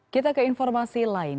kita ke informasi lain